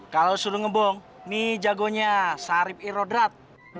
kalau suruh ngebong nih jagonya sarip irodrat